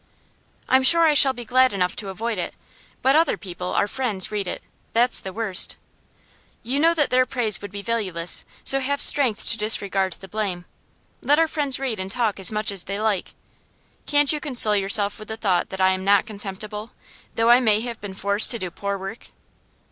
'I'm sure I shall be glad enough to avoid it; but other people, our friends, read it. That's the worst.' 'You know that their praise would be valueless, so have strength to disregard the blame. Let our friends read and talk as much as they like. Can't you console yourself with the thought that I am not contemptible, though I may have been forced to do poor work?